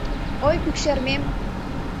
- Ой, пӱкшермем!